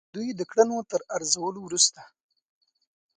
دوی د کړنو تر ارزولو وروسته.